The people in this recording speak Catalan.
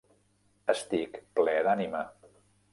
Estic ple d'ànima.